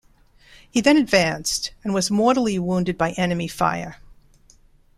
He then advanced and was mortally wounded by enemy fire.